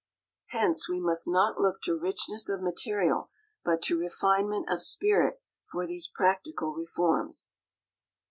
Hence we must not look to richness of material, but to refinement of spirit for these practical reforms.